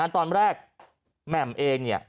ตอนแรกแหม่มเองเนี่ย